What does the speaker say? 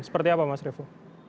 seperti apa mas riffo